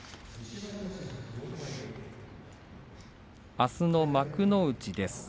あすの幕内です。